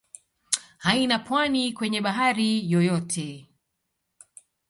Haina pwani kwenye bahari yoyote.